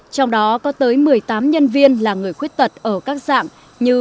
trong đó có tới một mươi tám nhân viên là người khuyết tật ở các dạng như